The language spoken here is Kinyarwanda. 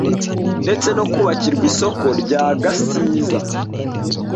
ndetse no kubakirwa isoko rya Gasiza